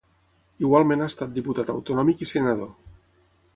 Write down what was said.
Igualment ha estat diputat autonòmic i senador.